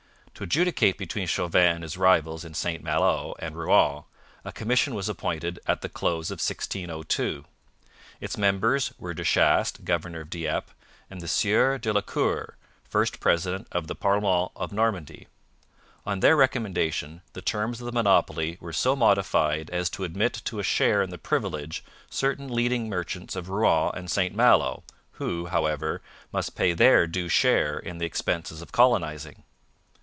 To adjudicate between Chauvin and his rivals in St Malo and Rouen a commission was appointed at the close of 1602. Its members were De Chastes, governor of Dieppe, and the Sieur de la Cour, first president of the Parlement of Normandy. On their recommendation the terms of the monopoly were so modified as to admit to a share in the privilege certain leading merchants of Rouen and St Malo, who, however, must pay their due share in the expenses of colonizing.